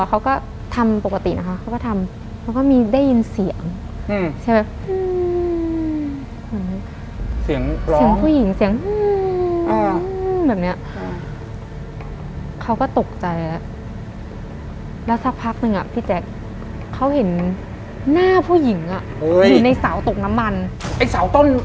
เขาบอกว่าเขาก็ทำปกตินะคะเขาก็ทำ